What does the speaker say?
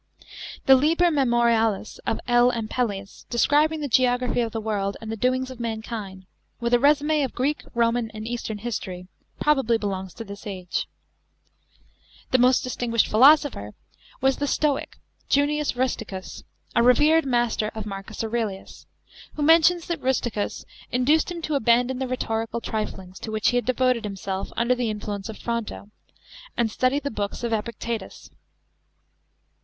The Liber Memorialis of L. AMPELIUS, describing the geography of the worM, and the doings of mankind — with a resume of Greek, Roman, and Eastern history — probably belongs to this age. The most distinguished philosopher was tl>e Stoic Junius Rusticus, a revered master of Marcus Aurelius, who mentions that Rusticns ii<duced him to abandon the rhetorical triflings, to which he had devoted himself under the influence of Fronto, and study the books of Epictetus.